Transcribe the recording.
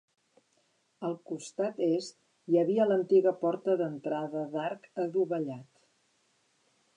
Al costat est hi havia l'antiga porta d'entrada d'arc adovellat.